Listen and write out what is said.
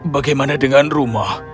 bagaimana dengan rumah